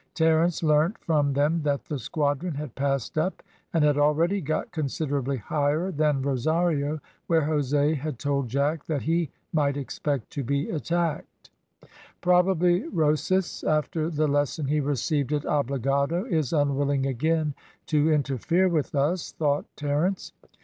Terence learnt from them that the squadron had passed up, and had already got considerably higher than Rosario, where Jose had told Jack that he might expect to be attacked. "Probably Rosas, after the lesson he received at Obligado, is unwilling again to interfere with us," thought Terence.